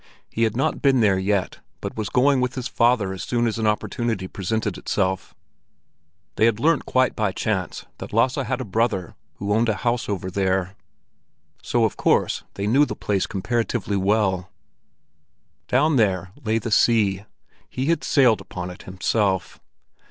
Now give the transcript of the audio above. He had not been there yet, but was going with his father as soon as an opportunity presented itself. They had learnt quite by chance that Lasse had a brother who owned a house over there; so of course they knew the place comparatively well. Down there lay the sea; he had sailed upon it himself!